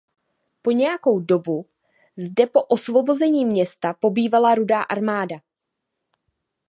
Po nějakou dobu zde po osvobození města pobývala Rudá armáda.